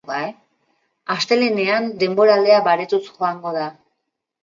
Astelehenean denboralea baretuz joango da.